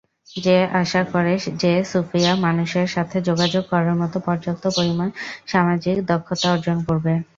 সে আশা করে যে সোফিয়া মানুষের সাথে যোগাযোগ করার মত পর্যাপ্ত পরিমাণ সামাজিক দক্ষতা অর্জন করবে।